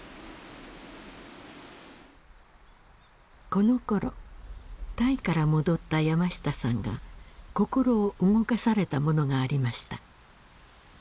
このころタイから戻った山下さんが心を動かされたものがありました。